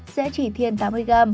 dễ chỉ thiên tám mươi g